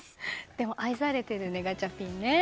でも、愛されてるねガチャピン。